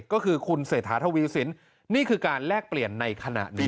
ก็คือคุณเศรษฐาทวีสินนี่คือการแลกเปลี่ยนในขณะนี้